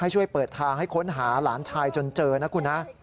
ช่วยเปิดทางให้ค้นหาหลานชายจนเจอนะคุณฮะ